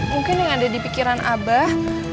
mungkin yang ada di pikiran abah